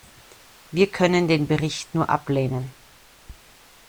Wir können den Bericht nur ablehnen.